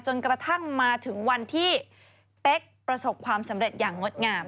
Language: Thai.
จนกระทั่งมาถึงวันที่เป๊กประสบความสำเร็จอย่างงดงาม